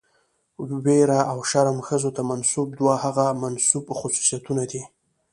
ويره او شرم ښځو ته منسوب دوه هغه منسوب خصوصيتونه دي،